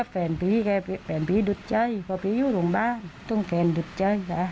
แฟนพี่แฟนพี่ดูใจพี่อยู่ตรงบ้านต้องแฟนดูใจจ๊ะ